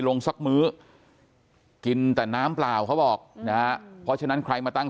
ลงสักมื้อกินแต่น้ำเปล่าเขาบอกนะเพราะฉะนั้นใครมาตั้ง